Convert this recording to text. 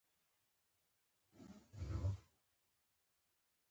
بيا به هم د اکا او د تورې بلا چلند راسره نه و ښه.